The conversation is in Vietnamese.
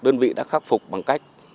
do đó đơn vị đã khắc phục bằng cách